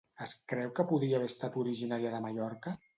Es creu que podria haver estat originària de Mallorca?